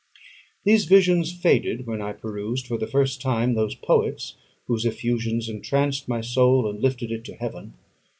These visions faded when I perused, for the first time, those poets whose effusions entranced my soul, and lifted it to heaven.